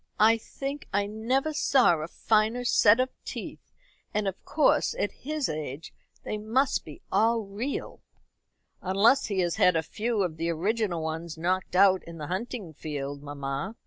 "I think I never saw a finer set of teeth, and of course at his age they must all be real." "Unless he has had a few of the original ones knocked out in the hunting field, mamma.